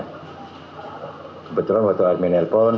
kebetulan waktu army nelfon